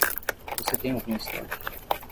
Você tem algum estoque?